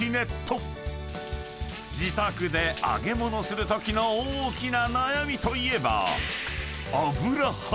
［自宅で揚げ物するときの大きな悩みといえば］